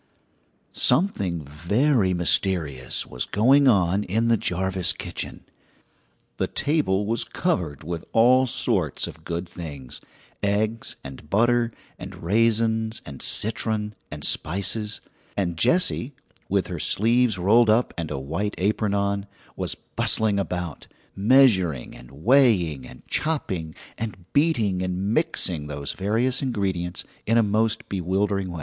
Something very mysterious was going on in the Jarvis kitchen. The table was covered with all sorts of good things eggs and butter and raisins and citron and spices; and Jessie, with her sleeves rolled up and a white apron on, was bustling about, measuring and weighing and chopping and beating and mixing those various ingredients in a most bewildering way.